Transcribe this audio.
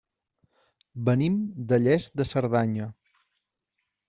Venim de Lles de Cerdanya.